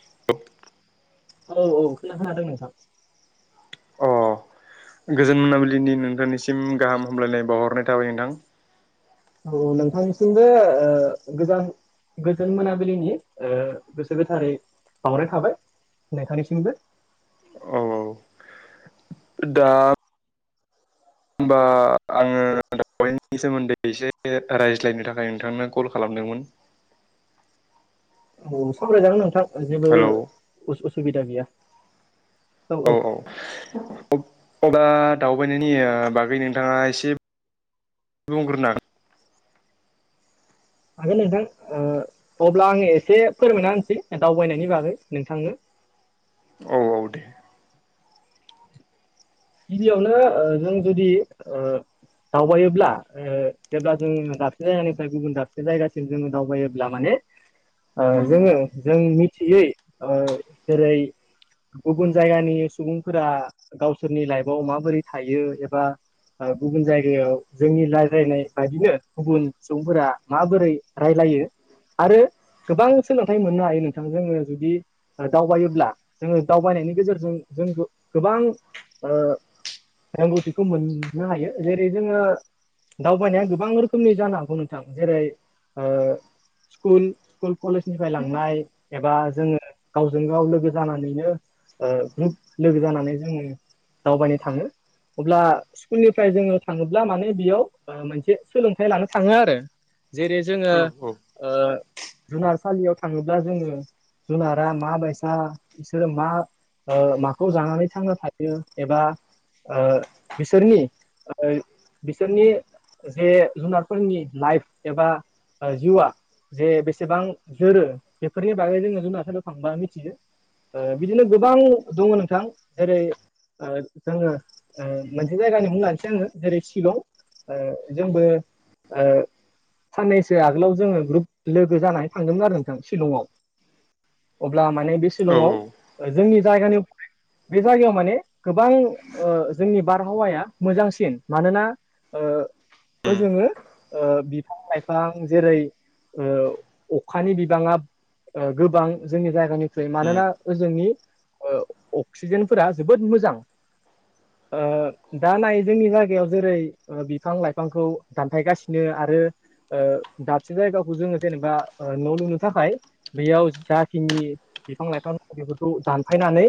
[inaudible] औ औ खोना खोनादों नोंथां अ गोजोन मोनाबिलिनि नोंथांनिसिम गाहाम हामलायनाय बावहरनाय थाबाय नोंथां औ औ नोंथांनिसिम ओह गोजान गोजोन मोनाबिलिनि ओह गोसो गोथारै बावनाय थाबाय नोंथांनिसिमबो औ दा होमबा आङो [unintelligible] नि सोमोन्दै एसे रायज्लायनो थाखाय नोंथांनो कल खालामदोंमोन औ सावरायजागोन नोंथां जेबो हेलौ उस उसुबिदा गैया औ औ अब अबा दावबायनायनि ओ बागै नोंथाङा एसे बुंग्रोना हागोन नोंथां ओ अब्ला आङो एसे फोरमायना होनसै दावबायनायनि बागै नोंथांनो औ औ दे गिबियावनो ओह‌ जों जुदि ओह दावबायोब्ला ओह जेब्ला जोङो दाबसे जायगानिफ्राय गुबुन दाबसे जायगासिम जोङो दावबायोब्ला माने ओह जोङो जों मिथियै ओह जेरै गुबुन जायगानि सुबुंफोरा गावसोरनि लाइफआव माबोरै थायो एबा गुबुन जायगायाव जोंनि लायज्रायनाय बायदिनो गुबुन सुबुंफोरा माबोरै रायलायो आरो गोबां सोलोंथाइ मोननो हायो नोंथां जोङो जुदि दावबायोब्ला जोङो दावबायनायनि गेजेरजों जों गोबां ओ रोंगौथिखौ मोननो हायो जेरै जोङो दावबायनाया गोबां रोखोमनि जानो हागौ नोंथां जेरै ओ स्कुल स्कुल कलेजनिफ्राय लांनाय एबा जोङो गावजों गाव लोगो जानानैनो ओ ग्रुप लोगो जानानै जोङो दावबायनो थाङो अब्ला स्कुलनिफ्राय जोङो थाङोब्ला माने बेयाव ओ मोनसे सोलोंथाइ लानो थाङो आरो जेरै जोङो औ औ ओ जुनारसालियाव थाङोब्ला जोङो जुनारा मा बायसा बिसोरो मा ओ‌ माखौ जानानै थांना थायो एबा ओ बिसोरनि बिसोरनि जे जुनारफोरनि लाइफ एबा ओ जिउवा जे बेसेबां जोरो बेफोरनि बागै जोङो जुनारफोराव थांबा मिथियो ओ बिदिनो गोबां दङ नोंथां जेरै ओ जोङो ओ मोनसे जायगानि मुं लानोसै आङो जेरै शिलं ओ‌ जोंबो साननैसो आगोलाव जोङो ग्रुप लोगो जानानै थांदोंमोन आरो नोंथां शिलंआव अब्ला माने बे औ शिलंआव औ जोंनि जायगानि बे जायगायाव माने गोबां ओ जोंनि बारहावाया मोजांसिन मानोना ओ ओ उम जोङो ओ बिफां लाइफां जेरै ओ‌अखानि बिबाङा गोबां जोंनि जायगानिख्रुइ उम मानोना ओजोंनि ओ‌‌ अक्सिजेनफोरा जोबोद मोजां ओ दा नाय जोंनि जायगायाव जेरै ओ बिफां लाइफांखौ दानफायगासिनो आरो ओ दाबसे जायगाखौ जोङो जेनेबा न' लुनो थाखाय बेयाव जाखिनि बिफां लाइफां दं बेफोरखौ दानफायनानै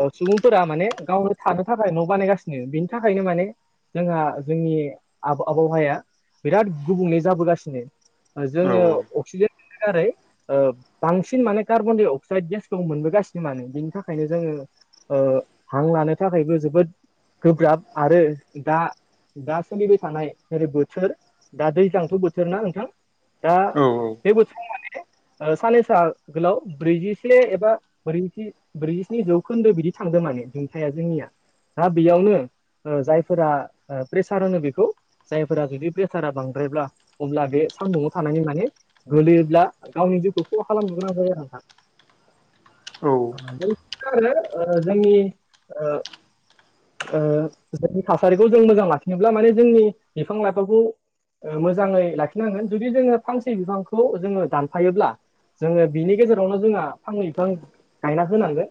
औ सुबुंफोरा माने गावनो थानो थाखाय न' बानायगासिनो बिनि थाखायनो माने जोंहा जोंनि आब आबहावाया बिराद गुबुंले जाबोगासिनो औ जोङो अक्सिजेन मोननो गारै ओ बांसिन माने कार्बनडाइ अक्साइद गेसखौ मोनबोगासिनो मानो बिनि थाखायनो जोङो ओ हां लानो थाखायबो जोबोद गोब्राब आरो दा दा सोलिबाय थानाय जेरै बोथोर दा दैथ' बोथोर ना नोंथां द औ बे बोथोर‌ माने ओ साननै सा गोलाव ब्रैजिसे एबा ब्रैजि ब्रैजिस्नि जौखोन्दो बिदि थांदों माने दुंथाया जोंनिया दा बेयावनो ओ जायफोरा प्रेसार होनो बेखौ जायफोरा जुदि प्रेसारा बांद्रायब्ला अब्ला बे सान्दुआव थानायनि माने गोलैयोब्ला गावनि जिउखौ खहा खालामनो गोनां जायो आरो नोंथां [inaudible] औ जों आरो जोंनि ओ ओ जोंनि थासारिखौ जों मोजां लाखिनोब्ला माने जोंनि बिफां लाइफांखौ ओ मोजाङै लाखिनांगोन जुदि जोङो फांसे बिफांखौ जोङो दानफायोब्ला जोङो बिनि गेजेरावनो जोंहा फां बिफां गायना होनांगोन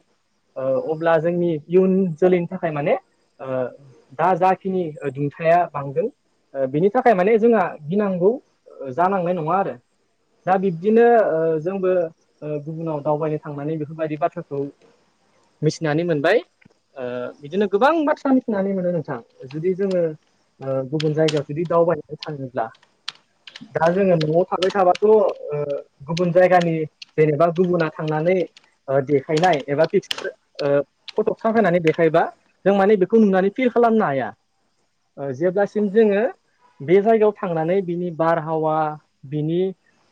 अब्ला जोंनि इयुन जोलैनि थाखाय माने ओ दा जाखिनि दुंथाया बांदों ओ बिनि थाखाय माने जोंहा गिनांगौ जानांनाय नङा आरो दा बिब्दिनो ओश्रजोंबो ओ गुबुनाव दावबायनो थांनानै बेफोरबायदि बाथ्राखौ मिथिनानै मोनबाय ओ बिदिनो गोबां बाथ्रा मिथिनानै मोनो नोंथां जुदि जोङो ओ गुबुन जायगायाव जुदि दावबायनानै थांङोब्ला दा जोङो न'आव थाबाय थाबाथ' ओ गुबुन जायगानि जेनेबा गुबुना थांनानै देखायनाय एबा पिकचार ओ सफायनानै देखायबा जों माने बेखौ नुनानै फिल खालामनो हाया जेब्लासिम जोङो बे जायगायाव थांनानै बिनि बारहावा बिनि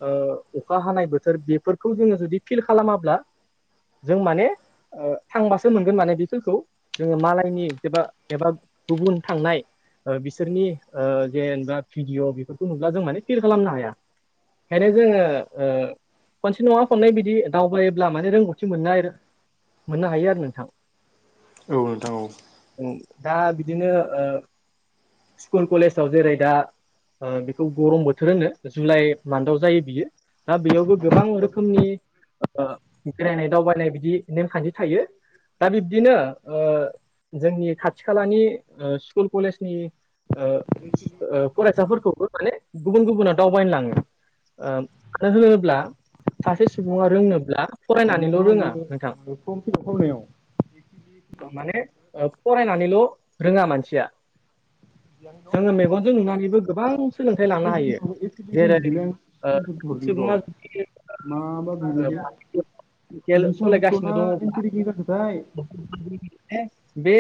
ओ अखा हानाय बोथोर बेफोरखौ जोङो जुदि फिल खालामाब्ला जों माने ओ थांबासो मोनगोन माने बेफोरखौ जोङो मालायनि एबा एबा गुबुन थांनाय ओ बिसोरनि ओ जेनबा भिडिअ बेफोरखौ नुब्ला जों माने फिल खालामनो हाया। खायनो जोङो ओ खनसे नङा खननै बिदि दावबायोब्ला माने रोंगौथि मोननाय मोननो हायो आरो नोंथां। औ नोंथां औ ओं दा बिदिनो ओ स्कुल कलेजाव जेरै दा ओ बेखौ गरम बोथोर होनो जुलाइ मान्थआव जायो बियो। दा बेयावबो गोबां रोखोमनि ओ ओ बेरायनाय दावबायनाय बिदि नेमखान्थि थायो। दा बिब दिनो ओ जोंनि खाथि खालानि ओ स्कुल कलेजनि ओ ओ फरायसाफोरखौबो माने गुबुन गुबुनाव दावबायनो लाङो। ओ मानो होनोब्ला सासे सुबुङा रोंनोब्ला माने फरायनानैल' दहायो रोङा नोंथां। फर्म फिल आप खामनायाव ओ माने ओ फरायनानैल' रोङा मानसिया। जोङो मेगनजों नुनानैबो गोबां सोलोंथाइ लानो हायो लोगोफोरखौ एप्लिकेसन जेरै बिदिलाय आं ओ स्क्रिनसट हरदों र' सुबुङा जुदि माबा बिलायखो [inaudible] निसा सालायगासिनो मुखथ'ना दङब्ला माने एन्टेरिकिं जाखोथाय? [inaudible] बे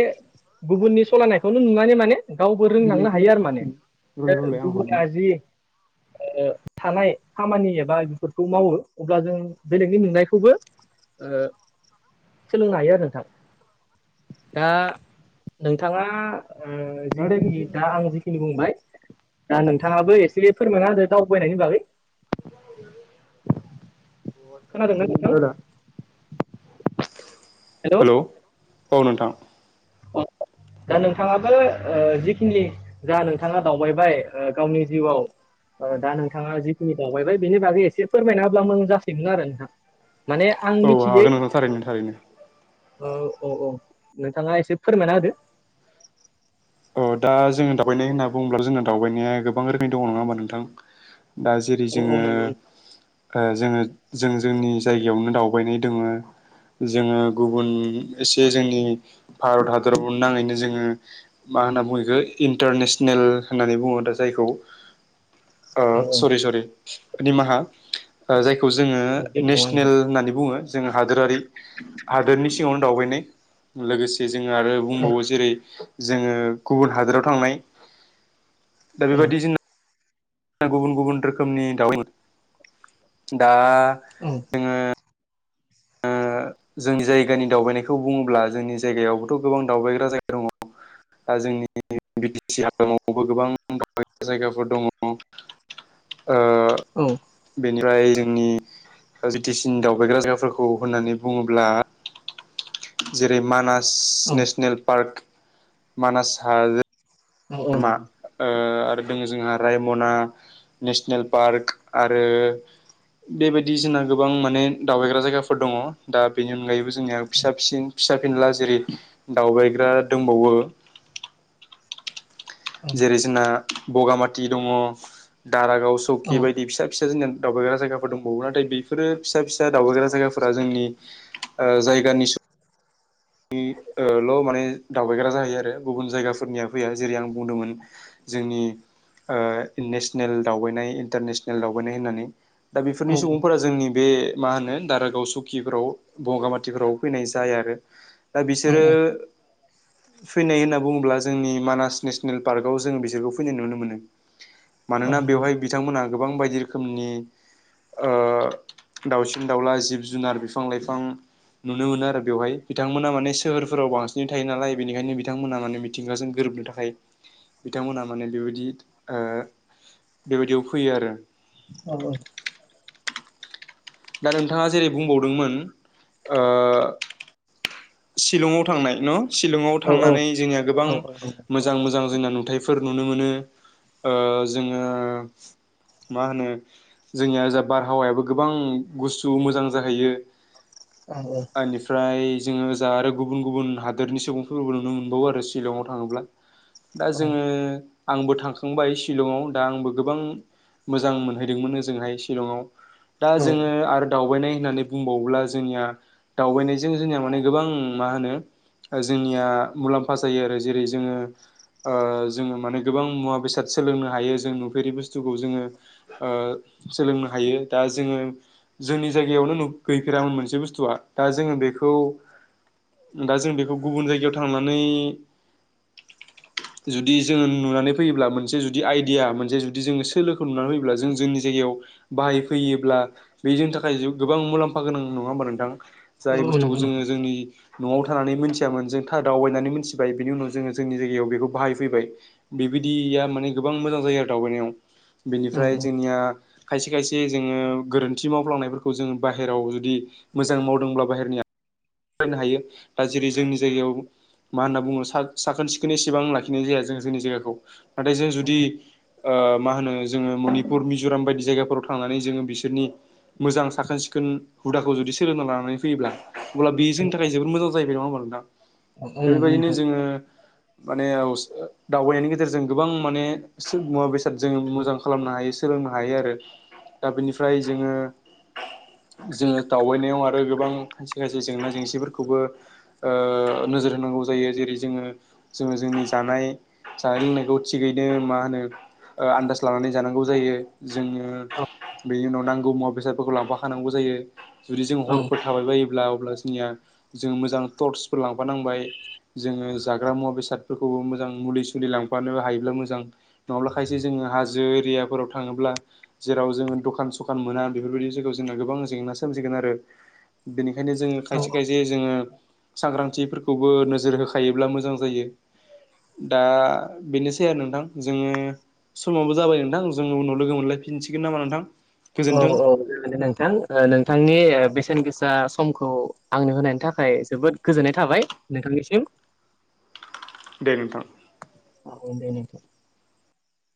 गुबुननि सलायनायखौनो नुनानै माने गावबो मा रोंलांनो बिलायखो हायो आरो माने एप्लिकेसन रलाय ओ रलाय आं हरनि गुबुना जि ओ थानाय खामानि एबा बेफोरखौ मावो अब्ला जों बेलेगनि मेंनायखौबो ओ सोलोंनो हायो आरो। नोंथां दा नोंथाङा ओ रादा जिखिनि दा आंङो जि खिनि बुंबाय दा नोंथाङाबो एसे फोरमायना होदो दावबायनायनि बागै। खोनादोंना नोंथां [unintelligible] हेलौ औ नोंथां। दा नोंथाङाबो ओ जिखिनि जा नोंथाङा दावबायबाय ओ गावनि जिउआव ओ दा नोंथाङा जिखिनि दावबायबाय बेनि बागै एसे फोरमायना होब्ला मोजां जासिगोन आरो नोंथां। माने आं औ मिथिगो हागोन नोंथां थारैनो थारैनो औ औ औ नोंथाङा एसे फोरमायना होदो। औ दा जोङो दावबायनाय होनना बुङोब्ला जोंना दावबायनाया गोबां रोखोमनि दङ नङा होमबा नोंथां दा जे रै औ जोङो औ नंगौ ओ जोङो जों जोंनि जायगायावनो दावबायनाय दोङो। जोङो गुबुन एसे जोंनि भारत हादराव नाङैनो जोङो मा होनना बुङो इखो इन्टारनेसनेल होननानै बुङो दा जायखौ ओ औ सरि सरि निमाहा ओ जायखौ जोङो औ जेबो नङा नोंथां नेसनेल होननानै बुङो। जोङो हादोरारि हादोरनि सिङावनो दावबायनाय लोगोसे जे जोङो आरो बुंबावो जेरै जोङो गुबुन हादोराव थांनाय। दा औ बेबायदि जोङो गुबुन गुबुन रोखोमनि दाउ [inaudible] दा औ जोङो ओ जोंनि जायगानि दावबायनायखौ बुङोब्ला जोंनि जायगायावबोथ' गोबां दावबायग्रा जाय दा जोंनि बि टि सि हालामावबो गोबां दावबायग्रा जायगाफोर दङ। ओ औ बेनिफ्राय जोंनि ओ बि टि सि नि दावबायग्रा जायगाफोरखौ होननानै बुङोब्ला जेरै मानास औ नेसनेल पार्क मानास हाद औ औ ओ आरो दङ जोंहा रायमना नेसनेल पार्क आरो बेबायदि जोंना गोबां माने दावबायग्रा जायगाफोर दङ दा बेनि अनगायैबो जोंनिया फिसासिन। फिसा फिनला जेरै दावबायग्रा दंबावो। औ जेरै जोंना बगामाथि दङ दारागाव सौकि नंगौ बायदि फिसा फिसा जोंनिना दावबायग्रा जायाफोर दंबावो नाथाय बेफोरो फिसा फिसा दावबायग्रा जायाफोरा जोंनि। जायगानि ल' माने दावबायग्रा जाहैयो आरो गुबुन जायगाफोरनिया फैया जेरै आं बुंदोंमोन। जोंनि नेसनेल दावबायनाय इन्टारनेसनेल दावबायनाय होननानै। दा औ बेफोरनि सुबुंफोरा जोंनि बे। मा होनो दारागाव सुकिफ्राव बगामाथिफोराव फैनाय जाया आरो। दा औ बिसोरो फैनाय होनना बुङोब्ला जोंनि मानास नेसनेल पार्कआव जोङो बिसोरखौ फैनाय नुनो मोनो मानोना बेवहाय बिथांमोनहा गोबां बायदि रोखोमनि। दाउसिन दाउला जिब जुनार बिफां लाइफां नुनो मोनो आरो बेवहाय बिथांमोन ना मानि सोहोरफोराव बांसिनै थायो नालाय बेनिखायनो बिथांमोना माने मिथिंगाजों गोरोबनो थाखाय बिथांमोनहा माने बेबायदि बेबायदियाव फैयो आरो आ दा नोंथाङा जेरै बुंबावदोंमोन ओ शिलंआव थांनाय न शिलंआव थांनानै जोंनिया गोबां मो औ मोजां मोजां जोंना नुथाइफोर नुनो मोनो जोङो। मा होनो। जोंनिया जा बारहावायाबो गोबां गुस्थु मोजां जाहैयो। औ। बेनिफ्राय जोङो जा आरो गुबुन गुबुन हादोरनि सुबुंफोरफोरखौबो नुनो मोनबावो आरो शिलंआव थाङोब्ला। दा जोङो आंबो थांखांबाय शिलंआव दा आंबो गोबां मोजां मोनहैदोंमोन जोंहाय शिलंआव दा औ औ जोङो आरो दावबायनाय होननानै बुंबावोब्ला जोंनिया दावबायनायजों जोंनिया माने गोबां मा होनो जोंनिया मुलाम्फा जायो आरो जेरै जोङो जोङो माने गोबां मुवा बेसाद सोलोंनो हायो जों नुफेरि बुस्थुखौ जोङो ओ सोलोंनो हायो दा जोङो जोंनि जायगायावनो गैफेरामोन मोनसे बुस्थुआ दा जोङो बेखौ दा जों बेखौ गुबुन जायगायाव थांनानै जुदि जोङो नुनानै फैयोब्ला मोनसे जुदि आइडिया मोनसे जुदि जोङो सोलोखौ नुनानै फैयोब्ला जों जोंनि जायगायाव बाहायफैयोब्ला बे जोंनि थाखाय गोबां मुलाम्फा गोनां नङा होमबा नोंथां? जाय औ बुस्थुखौ नंगौ नोंथां जोङो जोंनि न'आव थानानै मोनथियामोन जों था दावबायनानै मोनथिबाय बिनि उनाव जोङो जोंनि जायगायाव बेखौ बाहायफैबाय। बेबायदिया माने गोबां मोजां जायो आरो दावबायनायाव औ नंगौ नोंथां बेनिफ्राय औ औ जोंनिया खायसे खायसे जोङो गोरोन्थि मावफ्लांनायफोरखौ जोङो बाहेरायाव जुदि मोजां मावदोंब्ला बाहेरनि फरायनो हायो दा जेरै जोंनि जायगायाव। मा होनना बुङो साखोन सिखोनै एसेबां लाखिनाय जाया जों जोंनि जायगाखौ नाथाय जों जुदि मा होनो जोङो मनिपुर मिज'राम बायदि जायगाफोराव थांनानै जोङो बिसोरनि मोजां साखोन सिखोन हुदाखौ जुदि सोलोंना लानानै फैयोब्ला अब्ला बेजोंनि थाखाय जोबोद मोजां जाहैबाय नङा होनबा नोंथा? औ औ दा जागोन बेबायदिनो जोङो माने दावबायनायनि गेजेरजों गोबां माने मुवा बेसादजों जों मोजां खालामनो हायो सोलोंनो हायो आरो। दा बेनिफ्राय जोङो जोङो दावबायनायाव आरो गोबां जेंना जेंसिफोरखौबो ओ नोजोर होनांगौ जायो जेरै जोङो जोङो जोंनि जानाय जानाय लोंनायखौ थिगैनो मा होनो ओ आन्दाज लानानै जानांगौ जायो जोङो बेनि उनाव नांगौ मुवा बेसादफोरखौ लांफाखानांगौ जायो जुदि जों हरफोर थाबाय बायोब्ला अब्ला जोंनिया जों मोजां टर्सफोर लांफानांबाय जोङो जाग्रा मुवा बेसादफोरखौबो मोजां मुलि सुलि लांफानो हायोब्ला मोजां नङाब्ला खायसे जोङो हाजो एरियाफोराव थाङोब्ला जेराव जोङो दखान सखान मोना बेफोरबायदि जायगायाव जोंना गोबां जेंना सोमजिगोन आरो बेनिखायनो जोङो खायसे खायसे जोङो सांग्रांथिफोरखौबो नोजोर होखायोब्ला मोजां जायो। दा बेनोसै आरो नोंथां जोङो समाबबो जाबाय नोंथां जोङो उनाव लोगो मोनलायफिनसिगोन नामा नोंथां? औ गोजोन्थों औ दे नोंथां। ओ नोंथांनि ओ बेसेन गोसा समखौ आंनो होनायनि थाखाय जोबोद गोजोननाय थाबाय। नोंथांनिसिम दे नोंथां। अ ओं दे नोंथां।